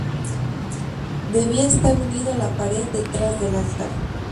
Debía estar unido a la pared detrás del altar.